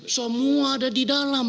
semua ada di dalam